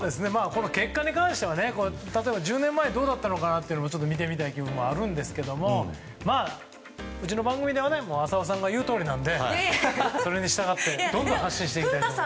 結果に関しては例えば１０年前どうだったのかなというのを見てみたい気もあるんですけどうちの番組では浅尾さんが言うとおりなのでそれに従ってどんどん発信していきたいです。